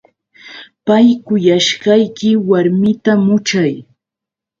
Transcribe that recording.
Pay kuyashqayki warmita muchay.